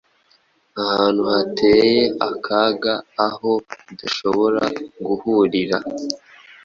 Ahantu hateye akaga aho udashobora guhurira